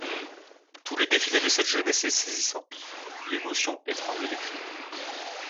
Tout le défilé de cette jeunesse est saisissant; l'émotion étrangle les cris.